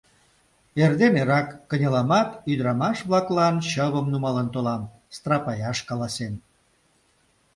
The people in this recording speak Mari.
Эрден эрак кынеламат, ӱдырамаш-влаклан чывым нумалын толам, страпаяш каласем.